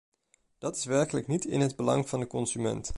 Dat is werkelijk niet in het belang van de consument.